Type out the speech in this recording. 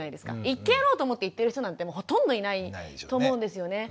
言ってやろうと思って言ってる人なんてほとんどいないと思うんですよね。